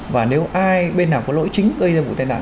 và nếu ai bên nào có lỗi chính gây ra vụ tai nạn